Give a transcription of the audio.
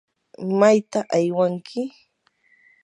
¿mayta aywanki?